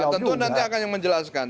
tentu nanti akan yang menjelaskan